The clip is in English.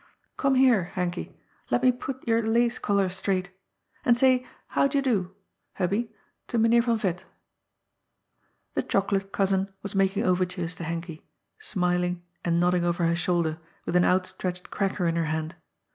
" Come here, Henky ; let me put your lace coUar straight. And say *How d'ye do ?' Hubby, to Mynheer van Veth." The chocolate cousin was making oyertures to Henky, smiling and nodding over her shoulder, with an out stretched cracker in her hand.